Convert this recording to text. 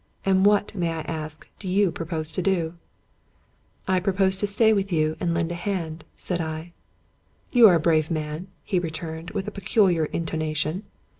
And what, may I ask, do you propose to do ?"" I propose to stay with you and lend a hand," said I. " You are a brave man," he returned, with a peculiar in tonation.